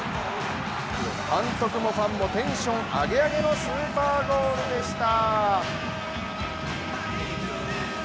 監督もファンもテンションアゲアゲのスーパーゴールでした。